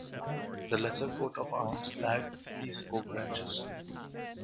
The lesser coat of arms lacks these oak branches.